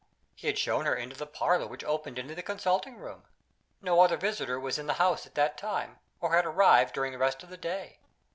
He had shown her into the parlor which opened into the consulting room. No other visitor was in the house at that time, or had arrived during the rest of the day.